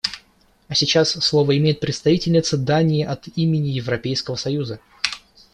А сейчас слово имеет представительница Дании от имени Европейского союза.